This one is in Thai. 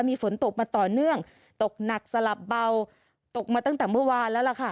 มีฝนตกมาต่อเนื่องตกหนักสลับเบาตกมาตั้งแต่เมื่อวานแล้วล่ะค่ะ